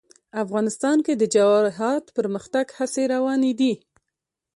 افغانستان کې د جواهرات د پرمختګ هڅې روانې دي.